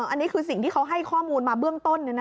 อันนี้คือสิ่งที่เขาให้ข้อมูลมาเบื้องต้น